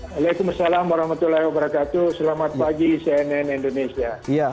waalaikumsalam warahmatullahi wabarakatuh selamat pagi cnn indonesia